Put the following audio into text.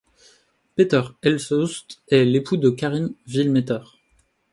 Peter Elsholtz est l'époux de Karin Vielmetter.